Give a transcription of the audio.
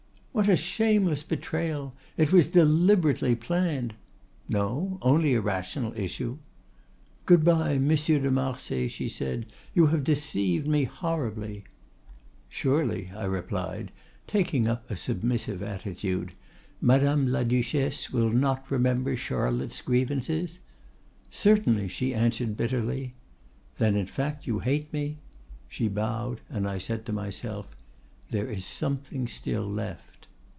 '—'What a shameless betrayal! It was deliberately planned!'—'No, only a rational issue.'—'Good bye, Monsieur de Marsay,' said she; 'you have deceived me horribly.'—'Surely,' I replied, taking up a submissive attitude, 'Madame la Duchesse will not remember Charlotte's grievances?'—'Certainly,' she answered bitterly.—'Then, in fact, you hate me?'—She bowed, and I said to myself, 'There is something still left!